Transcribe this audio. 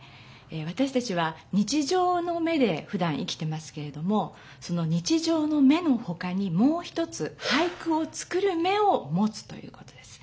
わたしたちは日じょうの目でふだん生きてますけれども日じょうの目のほかにもう一つ「俳句をつくる目をもつ」ということです。